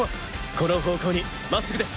この方向にまっすぐです。